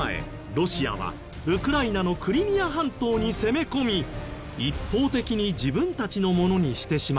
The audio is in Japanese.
ロシアはウクライナのクリミア半島に攻め込み一方的に自分たちのものにしてしまったんです。